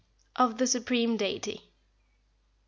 OF THE SUPREME DEITY. 3.